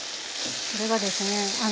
それはですね